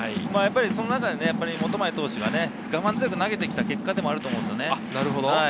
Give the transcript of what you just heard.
その中で本前投手が我慢強く投げてきた結果でもあると思うんです。